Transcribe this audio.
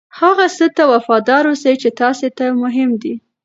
هغه څه ته وفادار اوسئ چې تاسې ته مهم دي.